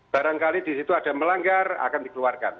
barangkali di situ ada melanggar akan dikeluarkan